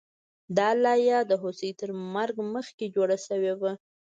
دا لایه د هوسۍ تر مرګ مخکې جوړه شوې وه